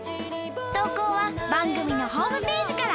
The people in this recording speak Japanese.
投稿は番組のホームページから。